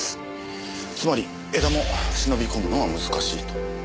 つまり江田も忍び込むのは難しいと。